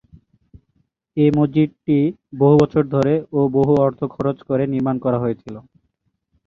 এ মসজিদটি বহু বছর ধরে ও বহু অর্থ খরচ করে নির্মাণ করা হয়েছিল।